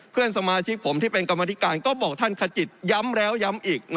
เพื่อนสมาชิกผมที่เป็นกรรมธิการก็บอกท่านขจิตย้ำแล้วย้ำอีก